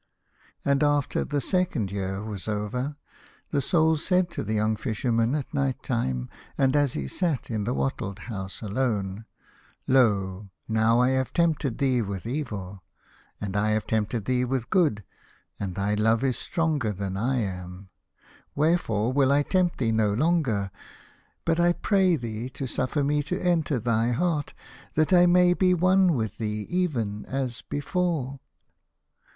And after the second year was over, the Soul said to the young Fisherman at night time, and as he sat in the wattled house alone, " Lo ! now I have tempted thee with evil, and I have tempted thee with good, and thy love is stronger than I am. Wherefore will I tempt thee no longer, but I pray thee to suffer me to enter thy heart, that I may be one with thee even as before."